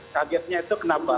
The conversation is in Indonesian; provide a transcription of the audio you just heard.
kagetnya itu kenapa